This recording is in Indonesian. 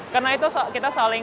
karena itu kita saling